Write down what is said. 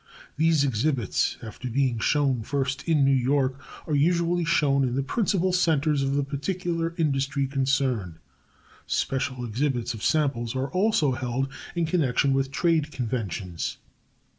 The exhibits, after being shown first in New York, are usually shown in the principal centers of the particular industry concerned. Special exhibits of samples are also held in connection with trade conventions.